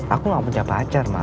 aku nggak punya pacar ma